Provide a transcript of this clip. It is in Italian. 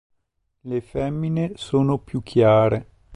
Le femmine sono più chiare.